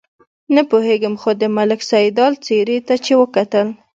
نه پوهېږم خو د ملک سیدلال څېرې ته چې وکتل.